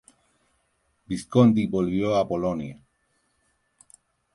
Visconti volvió a Bolonia.